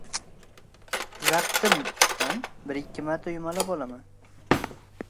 Zabtim bilan bir-ikki bor yumalab olaman.